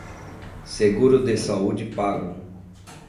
Seguro de saúde pago